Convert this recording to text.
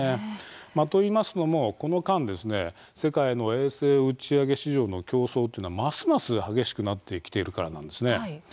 といいますのも、この間世界の衛星打ち上げ市場の競争というのは、ますます激しくなってきているからなんですね。